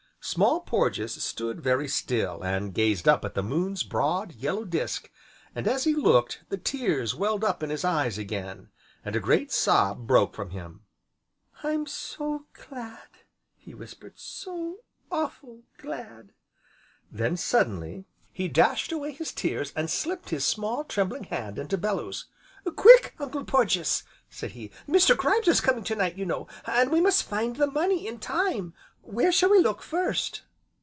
Small Porges stood very still, and gazed up at the moon's broad, yellow disc, and, as he looked the tears welled up in his eyes again, and a great sob broke from him. "I'm so glad!" he whispered. "So awful glad!" Then, suddenly, he dashed away his tears and slipped his small, trembling hand into Bellew's. "Quick, Uncle Porges!" said he, "Mr. Grimes is coming to night, you know an' we must find the money in time. Where shall we look first?"